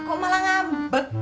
kok malah ngambek